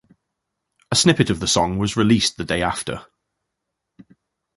A snippet of the song was released the day after.